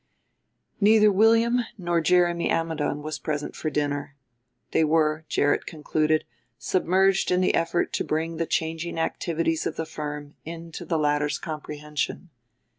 Neither William nor Jeremy Ammidon was present for dinner. They were, Gerrit concluded, submerged in the effort to bring the changing activities of the firm into the latter's comprehension.